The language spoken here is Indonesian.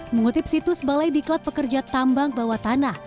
mengutip situs balai di klat pekerja tambang bawah tanah